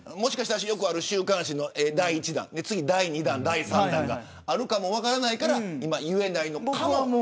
よくある週刊誌の第１弾次、第２弾、第３弾があるかも分からないから今、言えないのかも。